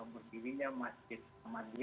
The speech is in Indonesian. berdirinya masjid kemanet